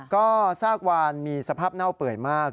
ก็ซากวานมีสภาพเน่าเปื่อยมาก